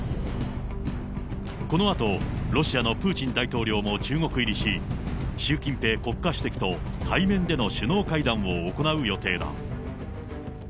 このあと、ロシアのプーチン大統領も中国入りし、習近平国家主席と対面での首脳会談を行う予定だ。